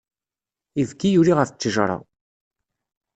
Ibki yuli ɣef ttejra.